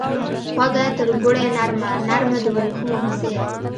خوږه ترګوړې نرمه ، نرمه دوریښمو په څیر